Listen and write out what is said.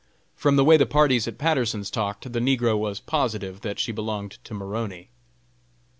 From the way the parties at Patterson's talked, the negro was positive that she belonged to Maroney.